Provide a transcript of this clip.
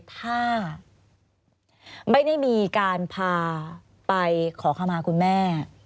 ถ้าไม่ได้มีการพาไปขอขมาคุณแม่